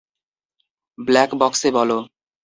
Black বক্সে বলো।